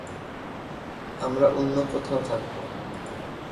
আমরা অন্য কোথাও থাকবো।